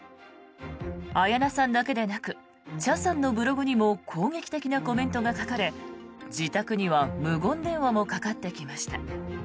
綾菜さんだけでなく茶さんのブログにも攻撃的なコメントが書かれ自宅には、無言電話もかかってきました。